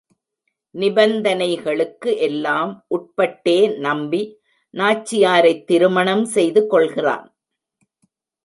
நிபந்தனைகளுக்கு எல்லாம் உட்பட்டே நம்பி, நாச்சியாரைத் திருமணம் செய்து கொள்கிறான்.